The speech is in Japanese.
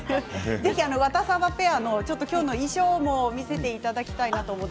ぜひ「ワタサバ」ペアの今日の衣装も見せていただきたいなと思って。